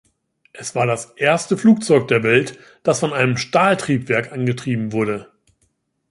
Es war das erste Flugzeug der Welt, das von einem Strahltriebwerk angetrieben wurde.